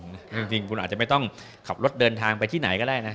จริงคุณอาจจะไม่ต้องขับรถเดินทางไปที่ไหนก็ได้นะ